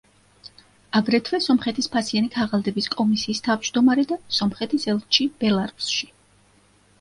აგრეთვე სომხეთის ფასიანი ქაღალდების კომისიის თავმჯდომარე და სომხეთის ელჩი ბელარუსში.